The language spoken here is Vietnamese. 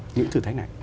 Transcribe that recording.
những thử thách này